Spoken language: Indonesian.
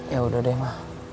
ya udah deh ma